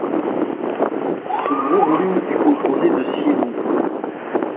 Ce gros volume est composé de six livres.